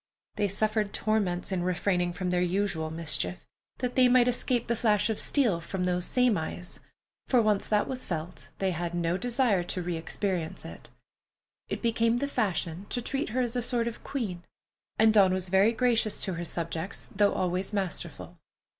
They suffered torments in refraining from their usual mischief, that they might escape the flash of steel from those same eyes, for once that was felt, they had no desire to re experience it. It became the fashion to treat her as a sort of queen, and Dawn was very gracious to her subjects, though always masterful.